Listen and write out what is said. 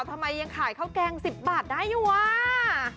ทำไมยังขายข้าวแกง๑๐บาทได้อยู่ว่ะ